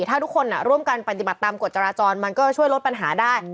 ถ้าทุกคนร่วมกันปฏิบัติตามกฎจราจรมันก็ช่วยลดปัญหาได้